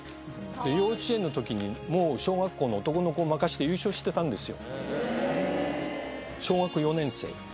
で幼稚園の時にもう小学校の男の子を負かして優勝してたんですよ。